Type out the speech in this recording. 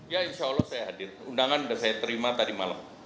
ya insya allah saya hadir undangan sudah saya terima tadi malam